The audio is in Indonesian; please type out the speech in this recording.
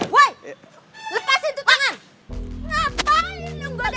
woy lepasin tuh tangan